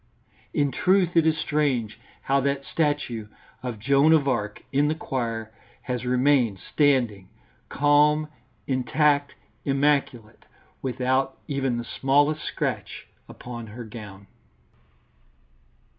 In truth it is strange how that statue of Joan of Arc in the choir has remained standing calm, intact, immaculate, without even the smallest scratch upon her gown.